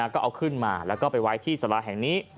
ก็เอาขึ้นมาแล้วก็ไปไว้ที่สาราแห่งนี้